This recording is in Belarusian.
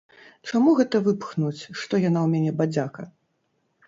Чаму гэта выпхнуць, што яна ў мяне, бадзяка?